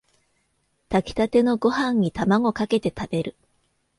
炊きたてのご飯にタマゴかけて食べる